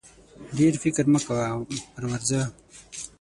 ډېر فکر مه کوه پر ورځه!